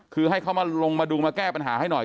คือให้เขามาลงมาดูมาแก้ปัญหาให้หน่อย